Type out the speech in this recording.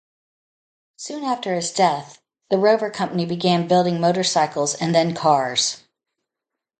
Soon after his death the Rover company began building motorcycles and then cars.